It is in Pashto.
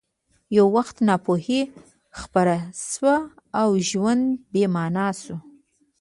یو وخت ناپوهي خپره شوه او ژوند بې مانا شو